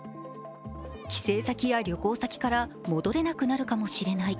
帰省先や旅行先から戻れなくなるかもしれない。